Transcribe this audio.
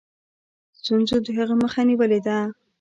ستونزو د هغه مخه نیولې ده.